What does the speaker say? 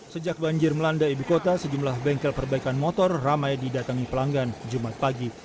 sejak banjir melanda ibu kota sejumlah bengkel perbaikan motor ramai didatangi pelanggan jumat pagi